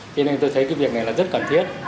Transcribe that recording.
cho nên tôi thấy cái việc này là rất cần thiết